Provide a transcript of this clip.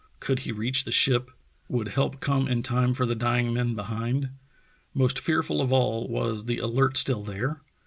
Could he reach the ship? Would help come in time for the dying men behind? Most fear ful of all, was the Alert still there?